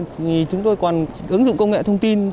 thì chúng tôi còn ứng dụng công nghệ thông tin